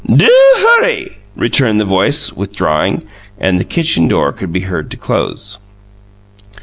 "Do hurry," returned the voice, withdrawing; and the kitchen door could be heard to close.